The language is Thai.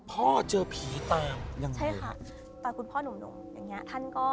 พ่อเจอผีตามยังเกินใช่ค่ะตอนคุณพ่อหนุ่มอย่างนี้ท่านก็